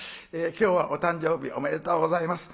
今日はお誕生日おめでとうございます。